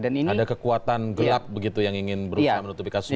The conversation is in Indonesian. ada kekuatan gelap begitu yang ingin berusaha menutupi kasus ini